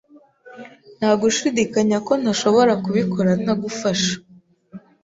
Ntagushidikanya ko ntashobora kubikora ntagufasha.